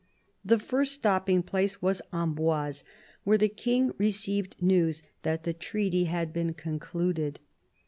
The first stopping place was Amboise, where the King received news that the treaty had been concluded.